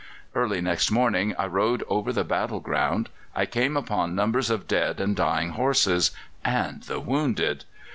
Early next morning I rode over the battle ground. I came upon numbers of dead and dying horses and the wounded!